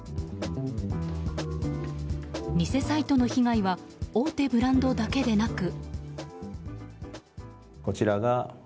偽サイトの被害は大手ブランドだけでなく。